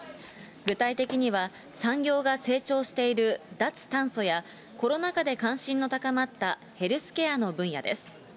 具体的には、産業が成長している脱炭素や、コロナ禍で関心の高まったヘルスケアの分野です。